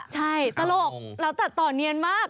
ใช่ตลกแล้วตัดต่อเนียนมาก